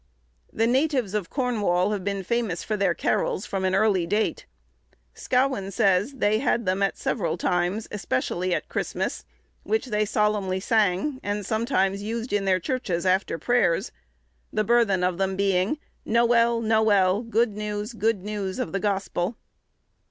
The natives of Cornwall have been famous for their carols from an early date. Scawen says, they had them at several times, especially at Christmas, which they solemnly sang, and sometimes used in their churches after prayers, the burthen of them being "Nowell, nowell, good news, good news, of the gospel."